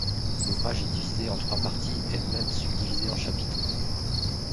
L'ouvrage est divisé en trois parties elles-mêmes subdivisées en chapitres.